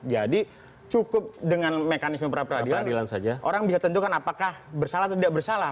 jadi cukup dengan mekanisme prapradino orang bisa tentukan apakah bersalah atau tidak bersalah